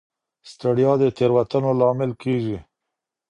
ستړیا د تېروتنو لامل کېږي.